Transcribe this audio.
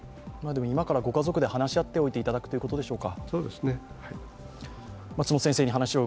今からご家族で話し合っておいていただくということでしょうか。